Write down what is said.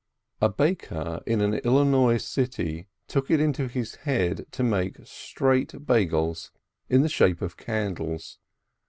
This is the story: A baker in an Illinois city took it into his head to make straight Beigels, in the shape of candles.